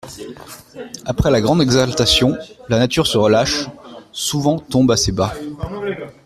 Après la grande exaltation, la nature se relâche, souvent tombe assez bas.